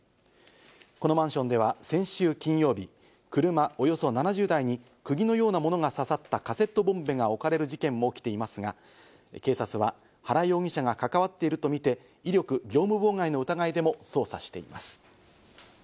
このマンションでは先週金曜日、車およそ７０台にクギのようなものが刺さったカセットボンベが置かれる事件も起きていますが、警察は原容疑者が関わっているとみて威力業務妨害の疑いでも捜査しています。